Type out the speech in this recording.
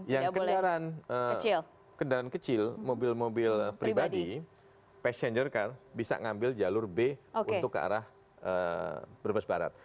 yang kendaraan kecil mobil mobil pribadi passenger car bisa ngambil jalur b untuk ke arah brebes barat